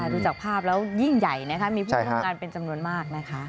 ดูจากภาพแล้วยิ่งใหญ่นะคะมีผู้ร่วมงานเป็นจำนวนมากนะคะ